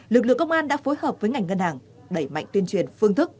lực lượng công an đã phối hợp với ngành ngân hàng đẩy mạnh tuyên truyền phương thức